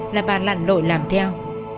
là bà lặn lội làm theo